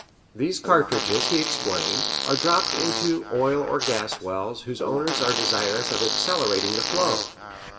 These cartridges, he explained, are dropped into oil or gas wells whose owners are desirous of accelerating the flow.